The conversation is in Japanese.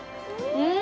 うん！